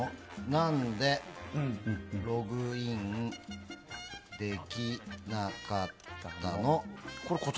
何でログインできなかったの？